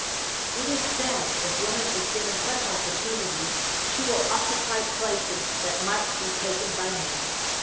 It is said, if woman is given such opportunities, she will occupy places that might be taken by men.